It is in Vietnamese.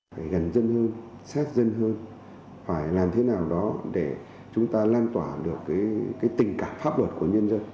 phải gần dân hơn sát dân hơn phải làm thế nào đó để chúng ta lan tỏa được tình cảm pháp luật của nhân dân